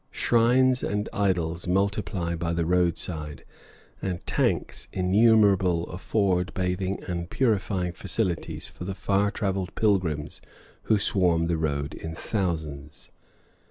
Shrines and idols multiply by the roadside, and tanks innumerable afford bathing and purifying facilities for the far travelled pilgrims who swarm the road in thousands.